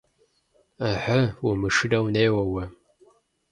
Ыхьы, умышынэу неуэ уэ.